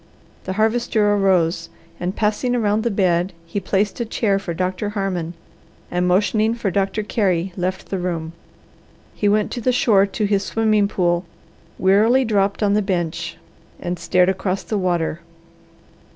The Harvester arose, and passing around the bed, he placed a chair for Doctor Harmon and motioning for Doctor Carey left the room. He went to the shore to his swimming pool, wearily dropped on the bench, and stared across the water.